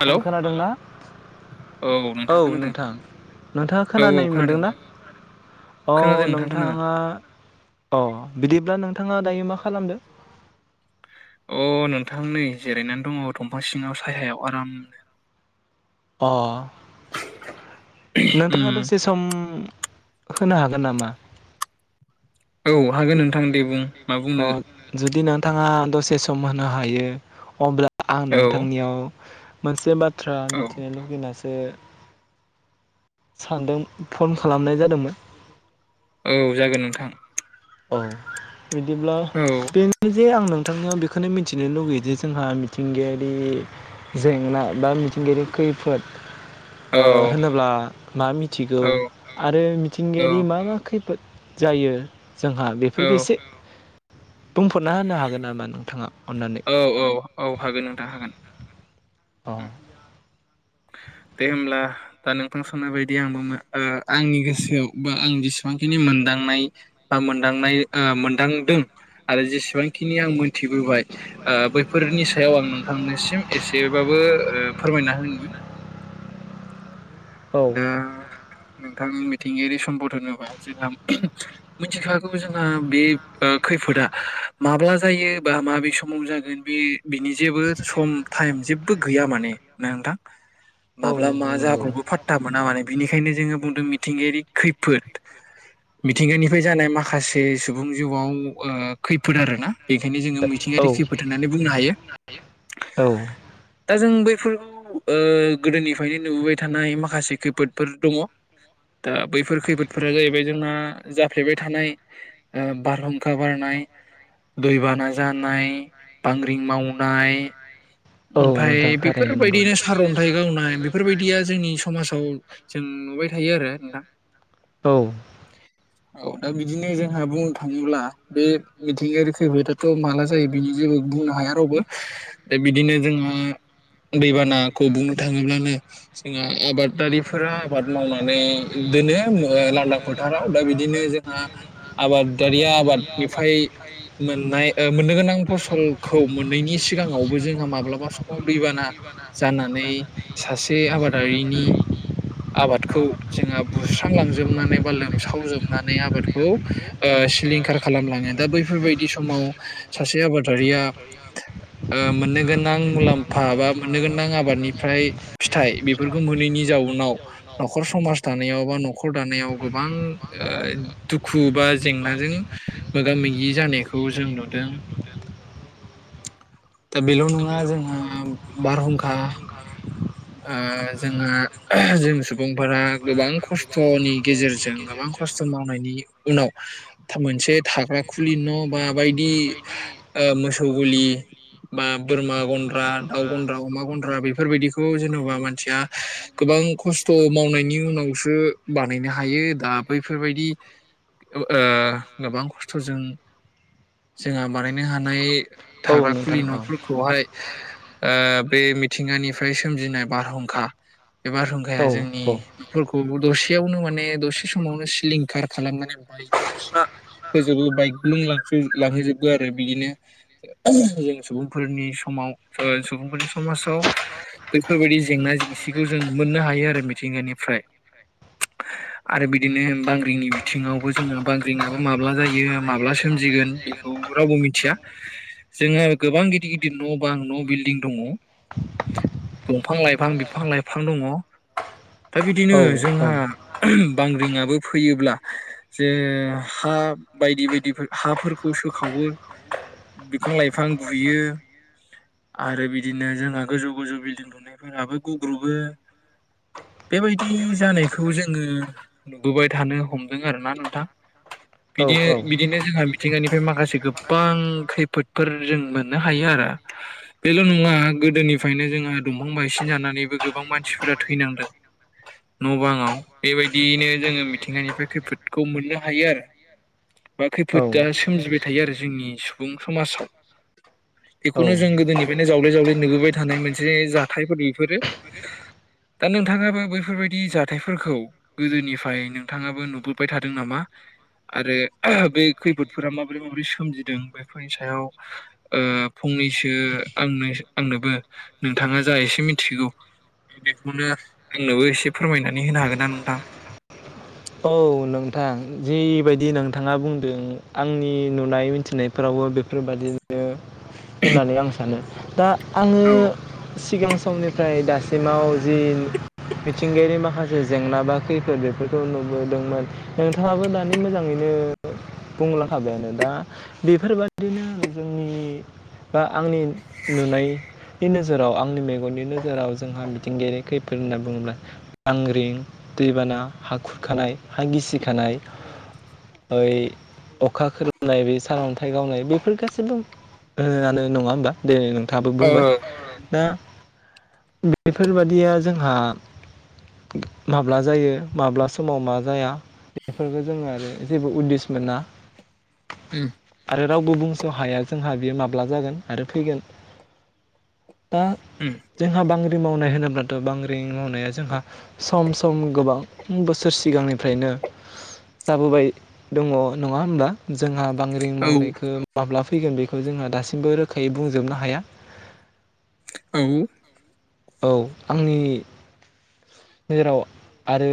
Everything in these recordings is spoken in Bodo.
हेलौ आं खोनादोंना औ नोंथां नोंथाङा औ खोनानाय खोनादों मोनदोंना औ खोनादों नोंथां खोनादों नोंथाङा औ बिदिब्ला नों नोंथाङा दायो मा खालामदों? अ नोंथां नै जिरायनानै दङ दंफां सिङाव सायायाव आरामनो। अ। नोंथाङा उम द'से सम होनो हागोन नामा? औ हागोन नोंथां दे बुं मा अ बुंनो जुदि नों थाङा दसे सम होनो हायो अब्ला आं औ नोंथांनियाव मोनसे बा बाथ्रा औ मिथिनो लुगैनासो [unintelligible] सानदों फन खालामनाय जादोंमोन। औ जागोन नोंथां। औ। बिदिब्ला औ बेनो जे आंनों नोंथांनियाव बेखौनो मिथिनो लुगैयो जे जोंहा मिथिंगायारि जेंना बा मिथिंगायारि खैफोद औ होनोब्ला मा मिथिगौ औ आरो मिथिंगायारि मा मा खैफोद जायो जोंहा औ बेफोरखौ एसे बुंफोर'ना होनो हागोन नामा नोंथाङा अननानै? औ औ औ हागोन नोंथां हागोन अ' दे होमब्ला दा नोंथां साननाय बायदि आंबो आंनि गोसोआव बा आं जेसेबांखिनि मोनदांनाय बा मोनदांनाय मोनदांदों आरो जेसेबांखिनि आं मोनथिबोबाय ओ बैफोरनि सायाव आं नोंथांनिसिम एसेबा बो फोरमायना होनि औ दा नोंथांनि मिथिंगायारि सम्पद होनोबा जोंहा मिथिखागौ जोंहा बे खैफोदा माब्ला जायो बा माबे समाव जागोन बे बिनि जेबो सम टाइम जेबो गैया माने नोंथां? औ माब्ला मा नोंथां नंगौ जाब्र'बो फाथ माने बिनिखायनो जोङो बुंदों मिथिंगायारि खैफोद मिथिंगानिफ्राय जानाय माखासे सुबुं जिउआव ओ खैफोद आरोना? बेखायनो जोङो मिथिंगायारि खैफोद होननानै बुंनो हायो औ दा जों बै [unintelligible] गोदोनिफ्रायनो नुबोबाय थानाय माख माखासे खैफोदफोर दङ दा बैफोर खैफोदफोरा जाहैबाय जोंना जाफ्लेबाय थानाय बारहुंखा बारनाय दैबाना जानाय बांग्रिं मावनाय औ औ ओमफ्राय नोंथां थारैनो नंगौ बेफोरबायदिनो सार अन्थाइ गावनाय बेफोरबायदिया जोंनि मासाव जों नुबाय थायो आरो नोंथां औ। औ दा बिदिनो जोंहा बुंनो थाङोब्ला बे मिथिंगायारि खैफोदाथ' माला जायो बेनि जेबो बुंनो हाया रावबो दा बिदिनो जोंहा दैबानाखौ बुंनो थाङोब्लानो जोंहा आबादारिफोरा आबाद मावनानै दोनो लांदां फोथाराव दा बिदिनो जोंहा आबाद आरिया आबादनिफ्राय मोननाय मोननो गोनां फसलखौ मोनैनि सिगाङावबो जोंहा माब्लाबा समाव दैबाना जानानै सासे आबाद रिनि आबादखौ जोंहा बुस्रांलांजोबनानै बा लोमसावजोब नुनानै आबादखौ ओ सिलिंखार खालामलांङो दा बैफोरबाय समाव सासे आबादारिया ओ मोननो गोनां मुलाम्फा बा मोन्नो गोनां आबाद निफ्राय फिथाइ बेफोरखौ मोननैनि जाउनाव न'खर समाज दानायाव बा न'खर दानायाव गोबां ओ दुखु हुबा जेंनाजों मोगा मोगि जानायखौ जों नुदों दा बेल' नङा जोंहा बारहुंखा ओ जोंहा जों सुबुंफोरा गोबां खस्थ'नि गेजेरजों गोबां खस्थ' मावनायनि उनाव मोनसे थां थाग्रा खुलि न' बा बायदि मोसौ ओ गलि बा बोरमा गन्द्रा दाउ गन्द्रा अमा गन्द्रा बेफोरबायदिखौ जेन'बा मानसिया गोबां खस्थ' मावनायनि उनावसो बानायनो हायो दा बैफोरबायदि ओ गोबां खस्थ'जों जोंहा बानायनो हानाय औ थाग्रा खुलि नोंथां औ न'फोरखौहाय ओ बे मिथिंगानिफ्राय सोमजिनाय बारहुंखा [inaudible] बे बारहुंखाया औ जोंनि औ न'फोरखौबो दसे यावनो माने दसे समावनो सिलिंखार खालामनानै बाइक होजो बाइक गुुं लांहोजोबबो आरो बिदिनो जों सुबुंफोरनि समाव सुबुंफोरनि समाजाव बैफोरबायदि जेंना जेंसि बेखौ जों मोननो हायो आरो मिथिंगानिफ्राय आरो बिदिनो बांग्रिंनि बिथिङावबो जोङो बांग्रिङाबो माब्ला जायो माब्ला सोमजिगोन बेखौ रावबो मिथिया जोंङो गोबां गिदिर गिदिर न' बां न' बिल्डिं दङ दंफां लाइफां बिफां लाइफां बिफां दङ दा बिदिनो औ जोंहा बांग्रिङाबो फैयोब्ला जे हा बायदि बायदि हाफोरखौ सोखावो बिफां लाइफां गुयो आरो बिदिनो जोंहा गोजौ गोजौ बिल्डिं दुनायफोराबो ग्रुपबो बेबायदि जानायखौ जोङो नुबोबाय थानो हमदों आर ना नोंथां औ बिदि औ बिदिनो जोंहा मिथिंगानिफ्राय माखासे गोबां खैफोदफोर जों मोननो हायो आरो बेल' नङा गोदोनिफ्रायनो जोङो दंफां बायसिन जानानै गोबां मानसिफोरा थैनांदों न' बाङाव बेबायदियैनो जोङो मिथिंगानिफ्राय खैफोदखौ मोननो हायो आरो बा औ खैफोदा सोमजिबाय थायो आरो जोंनि सुबुं समाजाव बेखौनो जों गोदोनिफ्रायनो जावले जावले नुबोबाय थानाय मोनसे जाथायफोर बेफोरो दा नोंथाङाबो बैफोरबायदि जाथायफोरखौ गोदोनिफ्राय नोंथाङाबो नुबोबाय थादों नामा आरो बे खैफोदफोरा माबोरै माबोरै सोमजिदों बेफोरनि सायाव ओ फंनैसो आंनो आंनोबो नोंथाङा जा एसे मिथिगौ बेखौनो आंनोबो एसे फोरमायनानै होनो हागोनना नोंथां औ नोंथां जिबायदि नोंथाङा बुंदों आंनि नुनाय मिथिनायफोरावबो बेफोरबादिनो होननानै आं सानो दा आङो औ सिगां समनिफ्राय दासिमाव जि मिथिंगायारि माखासे जेंना बा खैफोद बेफोरखौ नु बोदोंमोन नोंथाङाबो दानि मोजाङैनो बुंलांखाबायानो दा बेफोरबायदिनो जोंनि बा आंनि नुनायनि नोजोराव आंनि मेगननि नोजोराव जोंहा मिथिंगायारि खैफोद होनना बुङोब्ला बांग्रिं दैबाना हाखु खानाय हा गिसिखानाय ऐ अखा खोरोमनाय बे सारअन्थाइ गावनाय बेफोर गासैबोनो नङा होमबा दे ओ दाबो बुंबाय दा बेफोरबादिया जोंहा माब्ला जायो माब्ला समाव मा जाया बेफोरखौ जोङो आरो जेबो उदिस मोना ओम आरो रावबो बुंस' हाया जोंहा बेयो माब्ला जागोन आरो फैगोन दा उम जोंहा बांग्रि मावनाय होनोब दाथ' बांग्रि मावनाया जोंहा सम सम गोबां बोस सोर सिगांनिफ्रायनो जाबोबाय दङ नङा होमबा जोंहा बांग्रिं औ मावनायखौ माब्ला फैगोन बेखौ जोंहा दासिमबो रोखायै बुंजोबनो हाया औ औ आंनि जेराव आरो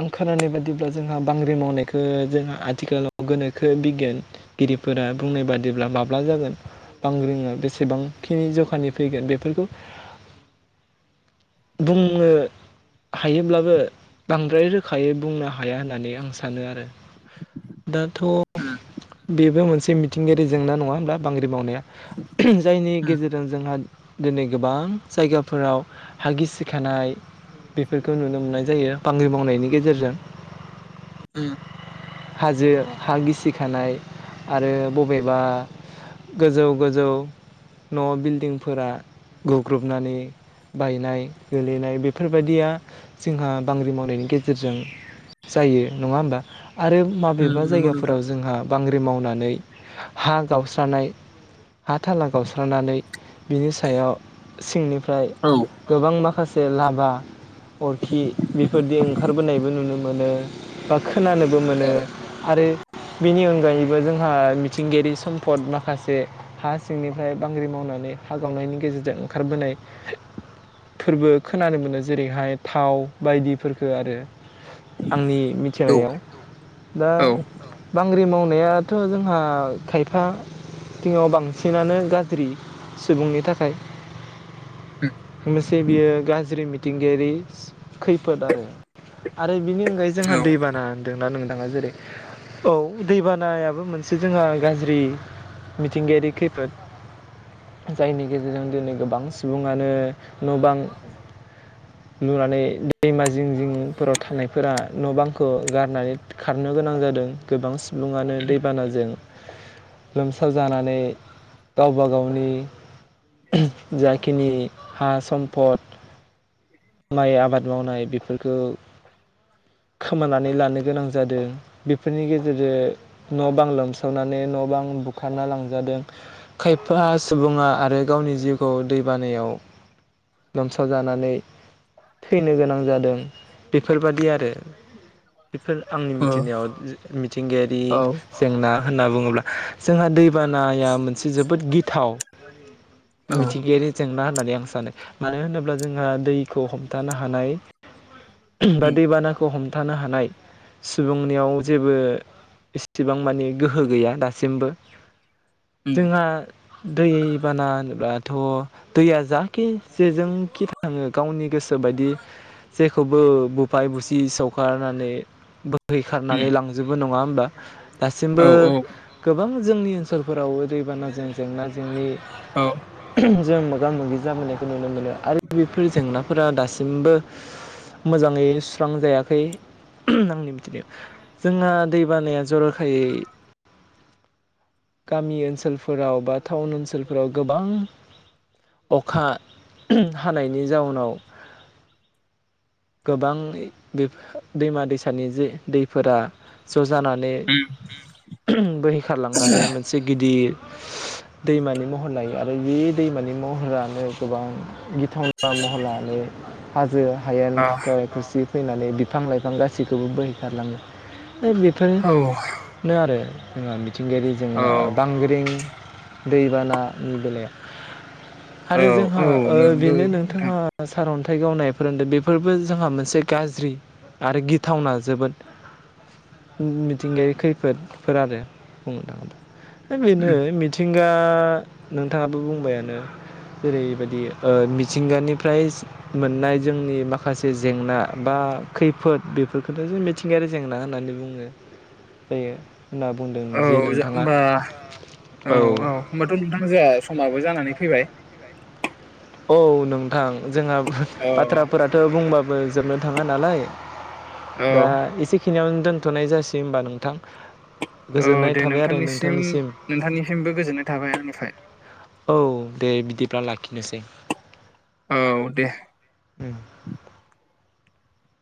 आं खोनानाय बादिब्ला जोंहा बांग्रि मावनायखौ जोंहा आथिखालाव गोनोखो बिगियानगिरिफोरा बुंनाय बादिब्ला माब्ला जागोन बांग्रिआ बेसेबांखिनि जखानि फैगोन बेफोरखौ बुंनो हायोब्लाबो बांद्राय रोखायै बुंनो हाया होननानै आं सानो आरो दाथ' उम बेबो मोनसे मि थिंगायारि जेंना नङा होमबा बांग्रि मावनाया [unintelligible] जायनि गेजेरजों जोंहा दिनै गोबां जायगाफोराव हागिसिखानाय बेफोरखौ नुनो मोननाय जायो बांग्रि मावनायनि गेजेरजों ओम हाजो हा गिसिखानाय आरो बबेबा गोजौ गोजौ न' बिल्डिंफोरा गुग्रुबनानै बायनाय गोलैनाय बेफोर बेफोरबायादिया जोंहा बांग्रि मावनायनि गेजेरजों जायो नंङा होमबा आरो माबेबा उम नंगौ नोंथां जायगाफोराव जोंहा बांग्रि मावनानै हा गावस्रानाय हा थाला गावस्रानानै बिनि सायाव सिंनिफ्राय औ ओमफ्राय गोबां माखासे लाबा अरखि बेफोरदि ओंखारबोनायबो नुनो मोनो [unintelligible] खोनानोबो मोनो औ आरो बेनि अनगायैबो जोंहा मिथिउंगायारि सम्पद माखासे हा सिंनिफ्राय बांग्रि मावनानै हा गावनायनि गेजेरजों ओंखारबोनाय [unintelligible] फोरबो खोनानो मोनो जेरैहाय थाव बायदिफोरफोरखौ आरो आंनि औ मिथिनायाव दा औ [unintelligible] बांग्रि मावनायाथ' जोंहा खायफा थिङाव बांसिनानो गाज्रि सुबुंनि थाखाय लोगोसे बियो गाज्रि दिंगारि खैफोद आरो आरो बिनि अनगायै जोंहा दै बाना [unintelligible] [unintelligible] जेरै औ दैबानायाबो मोनसे जोंहा गाज्रि मिथिंगायारि खैफोद जायनि गेजेरजों दिनै गोबां सुबुंङानो न बां लुनानै दैमा [unintelligible] जिं जिंफोराव थानायफोरा न' बांखौ गारनानै खारनो गोनां जादों गोबां [unintelligible] दैबानाजों लोमसाव जानानै गावबा गावनि [unintelligible] जाखिनि हा सम्पद माइ आबाद मावनाय बेफोरखौ खोमानानै लानो गोनां जादों बेफोरनि गेजेरजों न' बां लोमसावनानै न' बां बुखारना लांजादों खायफा सुबुङा आरो गावनि जिउखौ दै बानायाव लोमसावजानानै थैनो गोनां जादों बेफोरबादि आरो बेफोर आंनि ओ मिथिनायाव मिथिंगायारि औ जेंना होनना बुङोब्ला जोंहा दैबानाया मोनसे जोबोद गिद [unintelligible] औ मिथिंगायारि जेंना होननानै आं सानो मानो होनोब्ला जोंहा दैखो हम थानो हानाय बा उम दैबानाखौ हम थानो हानाय सुबुंनियाव जेबो एसेबां मानि गोहो गैया दासिमबो उम जोंहा दैबाना होनोब्ला थ' दैया जा कि जेजोंखि था आङो गावनि गोसो बायदि जेखौबो बुफाय बुसि सौखारनानै उम बोहैखारनानै लांजोबो नङा होमबा दासिमबो औ औ गोबां जोंनि ओनसोलफोराव दैबानाजों जेंना जेंनि औ जों बां मोगि जाबोनायखौ नुनो मोनो आरो बेफोर जेंनाफोरा दासिमबो मोजाङै सुस्रांजायाखै आंनि मिथिनायाव जोंहा दैबानाया जर'खायै गामि ओनसोलफोराव बा टाउन ओनसोलफोराव गोबां अखा हानायनि जाउनाव गोबांयै बि दैमा दैसानि जे दैफोरा ज' जानानै उम [unintelligible] बोहैखारलांनानै मोनसे गिदिर दैमानि महर लायो आरो बे दैमानि महरानो गोबां गि थावना महर लानानै हाजो हायेन आ खुरखा खुसि फैनानै बिफां लाइफां गासैखौबो बोहैखारलाङो ओ बेफोर औ नो आरो जोंहा मि थिंगायारि औ जेंना बांग्रिं दैबानानि बेलायाव औ आरो जोंहा औ ओ नंगौ बेनो नोंथां नोंथाङा सारअन थाइ गावनायफोर होनदों बेफोरबो जोंहा मोनसे गाज्रि आरो गिथावना जोबोद मिथिंगायारि खैफोदफोर आरो बुंनो थाङोब्ला है बेनो उम मिथिं गा नोंथाङाबो बुंबायानो जेरैबायदि ओ मिथिंगानिफ्राय मोननाय जोंनि माखासे जेंना बा खैफोद बेफोरखौनो जों मिथिंगायारि जेंना होननानै बुङो जायो होनना बुंदों औ जे जा नोंथाङा होमबा औ औ होनबाथ' नोंथां जाहा समाबो जानानै फैबाय औ नोंथां जोंहा औ बाथ्राफोराथ' बुंबा जोबनो थाङा नालाय औ दा एसेखिनियाव दोन्थ'नाय जासै होमबा नोंथां। औ गोजोननाय दे थाबाय आरो नोंथांनिसिम नोंथांनिसिमबो गोजोननाय थाबाय आंनिफाय औ दे बिदिब्ला लाखिनोसै औ दे उम